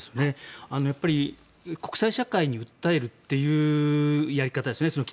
やっぱり国際社会に訴えるというやり方ですね